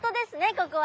ここは。